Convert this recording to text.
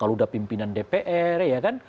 kalau udah pimpinan dpr ya kan